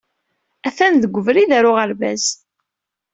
A-t-an deg ubrid ar uɣerbaz.